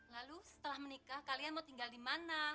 lalu setelah menikah kalian mau tinggal di mana